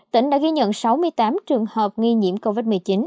tỉnh đã ghi nhận sáu mươi tám trường hợp nghi nhiễm covid một mươi chín